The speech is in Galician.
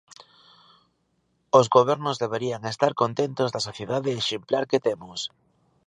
Os gobernos deberían estar contentos da sociedade exemplar que temos.